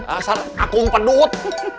asar akum pedut